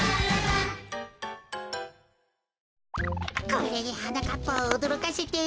これではなかっぱをおどろかせて。